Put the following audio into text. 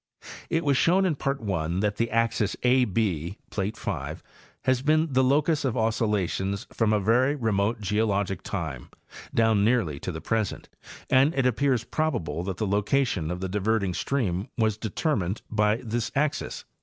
It was shown in Part I that the axis A B, plate 5, has been the locus of oscillations from very remote geologic time down nearly to the present, and it appears probable that the location of the diverting stream was determined by this axis.